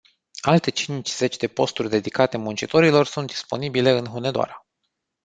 Alte cincizeci de posturi dedicate muncitorilor sunt disponibile în Hunedoara.